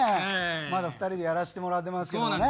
まだ２人でやらしてもらってますけどね。